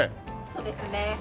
そうですね。